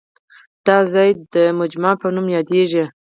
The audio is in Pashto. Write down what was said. دا ځای د مجمع په نوم یادېږي.